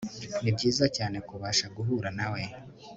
Nibyiza cyane kubasha guhura nawe